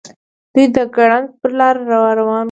دوي د ګړنګ پر لار راروان دي.